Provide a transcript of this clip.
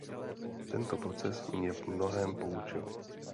Tento proces mě v mnohém poučil.